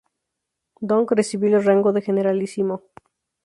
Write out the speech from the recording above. Dong Recibió el rango de generalísimo.